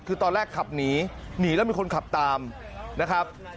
คือตอนแรกขับหนีหนีแล้วมีคนขับตามนะครับ